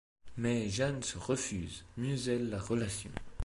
Mais Jeanne se refuse, muselle la relation.